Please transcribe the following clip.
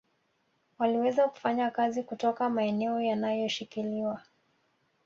Waliweza kufanya kazi kutoka maeneo yanayoshikiliwa